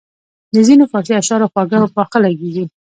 د ځینو فارسي اشعار خواږه او پاخه لګیږي.